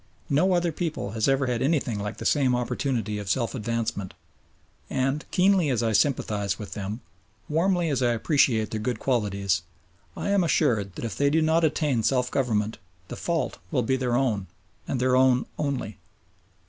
No other people has ever had anything like the same opportunity of self advancement, and keenly as I sympathise with them, warmly as I appreciate their good qualities, I am assured that if they do not attain self government the fault will be their own and their own only.